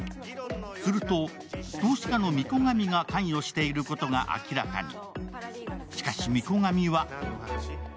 すると投資家の御子神が関与していることが明らかに。